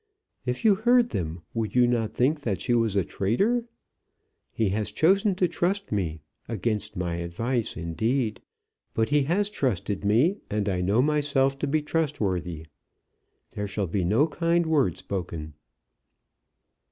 If you heard them, would you not think that she was a traitor? He has chosen to trust me, against my advice, indeed; but he has trusted me, and I know myself to be trustworthy. There shall be no kind word spoken."